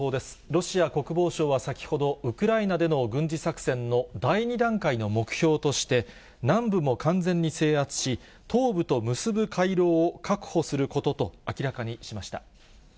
ロシア国防省は先ほど、ウクライナでの軍事作戦の第２段階の目標として、南部も完全に制圧し、東部と結ぶ回廊を確保することと明らかにしました。